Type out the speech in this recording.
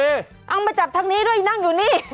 เอามาจับทางนี้ด้วยนั่งอยู่นี่